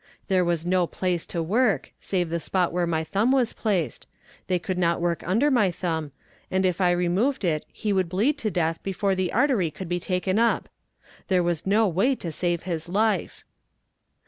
There was no place to work, save the spot where my thumb was placed; they could not work under my thumb, and if I removed it he would bleed to death before the artery could be taken up. There was no way to save his life.